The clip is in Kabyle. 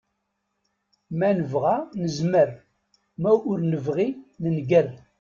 Ma nebɣa nezmer, ma ur nebɣi nenger.